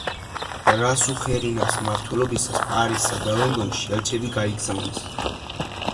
რასუხერინას მმართველობისას პარიზსა და ლონდონში ელჩები გაიგზავნენ.